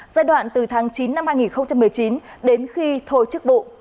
giai đoạn từ tháng chín năm hai nghìn một mươi chín đến khi thôi chức vụ